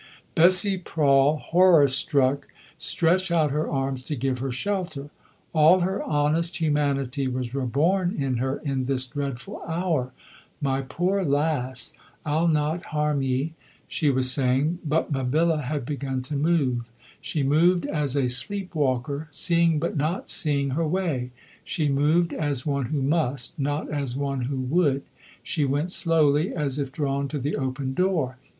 Bessie Prawle, horror struck, stretched out her arms to give her shelter. All her honest humanity was reborn in her in this dreadful hour. "My poor lass, I'll not harm ye," she was saying; but Mabilla had begun to move. She moved as a sleep walker, seeing but not seeing her way; she moved as one who must, not as one who would. She went slowly as if drawn to the open door.